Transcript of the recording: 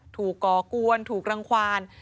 ถูกกอร์กวนถูกรังความ